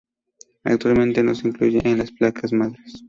Actualmente no se incluye en las placas madres.